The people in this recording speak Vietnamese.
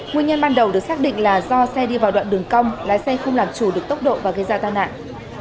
nguyên nhân ban đầu được xác định là do xe đi vào đoạn đường cong lái xe không làm chủ được tốc độ và gây ra tai nạn